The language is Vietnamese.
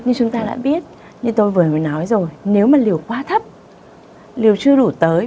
như chúng ta đã biết như tôi vừa mới nói rồi nếu mà liều quá thấp liều chưa đủ tới